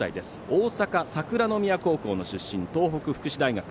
大阪、桜宮高校の出身東北福祉大学。